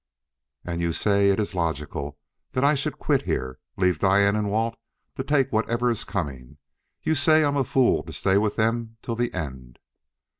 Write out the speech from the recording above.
"And you say it is logical that I should quit here, leave Diane and Walt to take whatever is coming; you say I'm a fool to stay with them till the end.